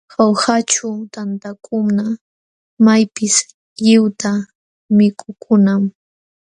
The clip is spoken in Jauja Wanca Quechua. Jaujaćhu tantakuna maypis lliwta mikukunam.